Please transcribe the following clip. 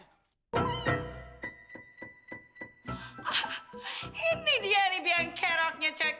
ah ini dia nih biang keraknya cek